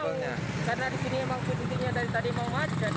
karena di sini emang kondisinya dari tadi mau wajat